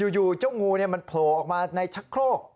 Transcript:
อยู่เจ้างูมันโผล่ออกมาในชักโครก